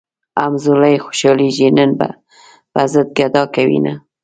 همزولي خوشحالېږي نن پۀ ضد ګډا کوينه